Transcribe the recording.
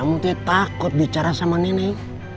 kamu tuh takut bicara sama nenek